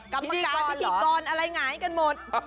กรรมการพิธีกรอะไรหงายกันหมด